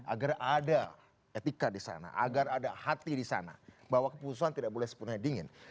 agar ada etika di sana agar ada hati di sana bahwa keputusan tidak boleh sepenuhnya dingin